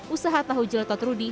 usaha tahu jelatot ruti